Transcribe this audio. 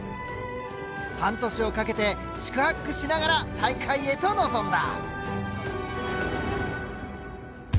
半年をかけて四苦八苦しながら大会へと臨んだ。